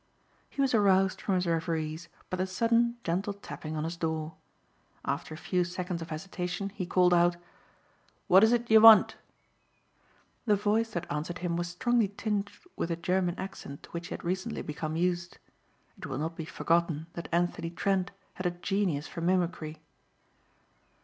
He was aroused from his reveries by the sudden, gentle tapping on his door. After a few seconds of hesitation he called out: "What is it ye want?" The voice that answered him was strongly tinged with the German accent to which he had recently become used. It will not be forgotten that Anthony Trent had a genius for mimicry.